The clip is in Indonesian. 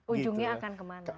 ujungnya akan kemana